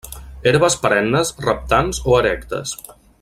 Herbes perennes reptants o erectes.